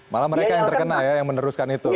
malah mereka yang terkena ya yang meneruskan itu